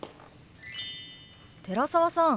寺澤さん